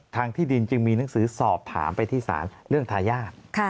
ที่ดินจึงมีหนังสือสอบถามไปที่ศาลเรื่องทายาท